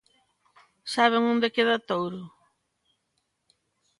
¿Saben onde queda Touro?